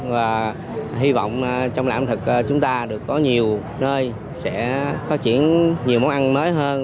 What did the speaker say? và hy vọng trong ẩm thực chúng ta được có nhiều nơi sẽ phát triển nhiều món ăn mới hơn